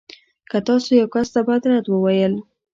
که تاسو يو کس ته بد رد وویل.